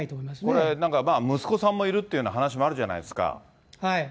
これ、なんか息子さんもいるっていう話もあるじゃないですか。